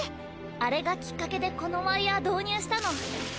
あれがキッカケでこのワイヤー導入したの。